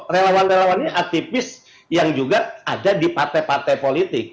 relawan relawannya aktivis yang juga ada di pate pate politik